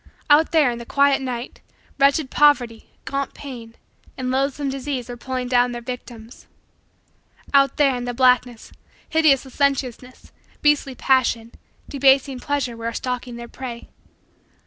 Out there, in the quiet night, wretched poverty, gaunt pain, and loathsome disease were pulling down their victims. Out there, in the blackness, hideous licentiousness, beastly passion, debasing pleasure were stalking their prey.